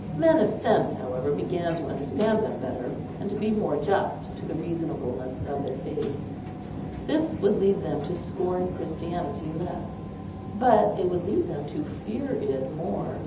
Men of sense, however, began to understand them better, and to be more just to the reasonableness of their faith. This would lead them to scorn Christianity less, but it would lead them to fear it more.